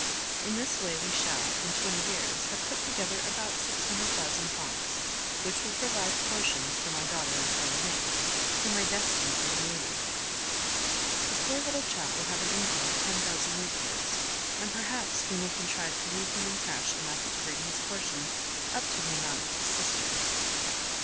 In this way we shall, in twenty years, have put together about six hundred thousand francs, which will provide portions for my daughter and for Rene, whom I destine for the navy. The poor little chap will have an income of ten thousand livres, and perhaps we may contrive to leave him in cash enough to bring his portion up to the amount of his sister's.